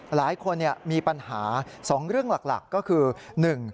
หลายคนมีปัญหา๒เรื่องหลักก็คือ